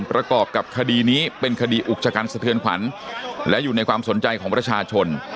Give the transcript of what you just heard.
ประกอบกับคดีนี้เป็นคดีอุกชะกันสะเทือนขวัญและอยู่ในความสนใจของประชาชน